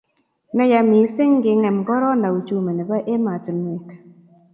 ne ya mising kingem korona uchumi nebo ematunwek